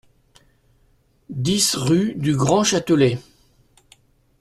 dix rue du Grand Châtelet